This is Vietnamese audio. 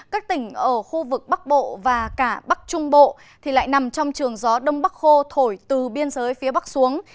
các tỉnh ở khu vực bắc bộ và cả bắc trung bộ lại nằm trong trường gió đông bắc khô thổi từ biên giới phía bắc xuống